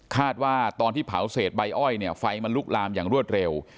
ว่าตอนที่เผาเศษใบอ้อยเนี่ยไฟมันลุกลามอย่างรวดเร็ว